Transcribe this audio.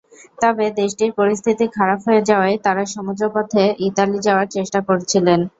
তবে দেশটির পরিস্থিতি খারাপ হয়ে যাওয়ায় তাঁরা সমুদ্রপথে ইতালি যাওয়ার চেষ্টা করছিলেন।